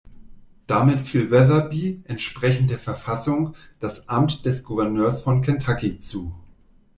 Damit fiel Wetherby, entsprechend der Verfassung, das Amt des Gouverneurs von Kentucky zu.